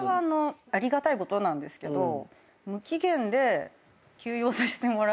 ありがたいことなんですけど無期限で休養させてもらって。